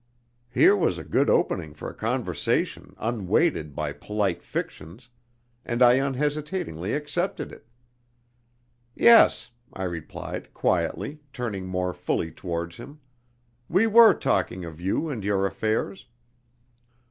Here was a good opening for a conversation unweighted by polite fictions, and I unhesitatingly accepted it. "Yes," I replied, quietly, turning more fully towards him, "we were talking of you and your affairs."